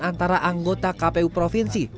antara anggota kpu provinsi